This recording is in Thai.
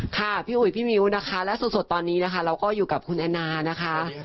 ค่ะพี่อุ๋ยพี่มิ้วนะคะและสดตอนนี้นะคะเราก็อยู่กับคุณแอนนานะคะ